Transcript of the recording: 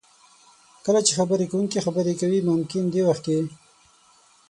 کله چې خبرې کوونکی خبرې کوي ممکن دې وخت کې